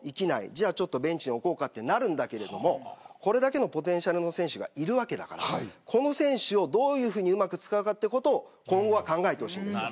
じゃあベンチに置こうかとなるんだけどこれだけのポテンシャルの選手がいるわけだからこの選手をどういうふうにうまく使うかというのを今後は考えてほしい。